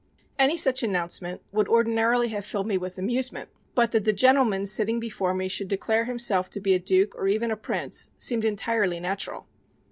Any such announcement would ordinarily have filled me with amusement, but that the gentleman sitting before me should declare himself to be a duke or even a prince seemed entirely natural.